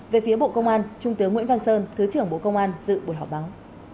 về phía bộ công an trung tướng nguyễn văn sơn thứ trưởng bộ công an dự buổi họp báo